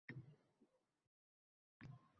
achchiq maqolalaringizni qo‘shiq qilib bastalang.